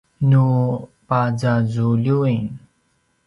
nu pazazuljuin